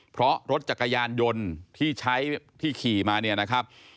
เพราะรถจักรยานยนต์ที่ใช้ที่ขี่มาเนี่ยนะครับ